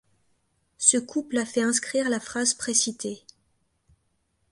Ce couple a fait inscrire la phrase précitée.